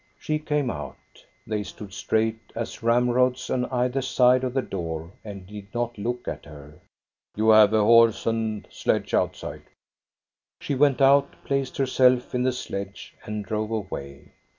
She came out. They stood straight as ramrods on either side of the door and did not look at her. " You have a horse and sledge outside." She went out, placed herself in the sledge, and drove away.